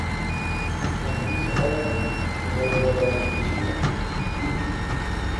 La divisa del país és el dòlar fijià.